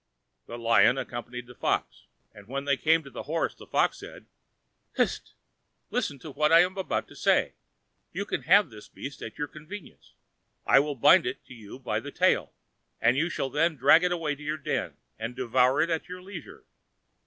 The lion accompanied the fox, and when they came to the horse the fox said: "Hist! listen to what I am about to say; you can have this beast at your convenience; I will bind it to you by the tail, and you shall then drag it away to your den, and devour it at your leisure."